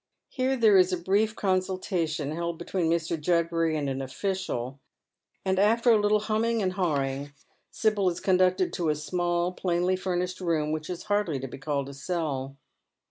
Here there is a brief consultation held between Mr. Judbury and an official, and, after a httle humming and hawing, Sibyl is conducted to a small plainly furnished room, which is hardly to be called a cell.